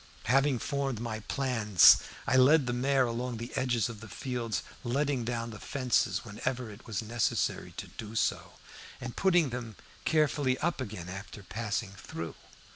Having formed my plans, I led the mare along the edges of the fields, letting down the fences whenever it was necessary to do so, and putting them carefully up again after passing through.